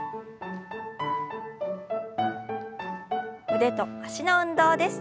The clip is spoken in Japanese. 腕と脚の運動です。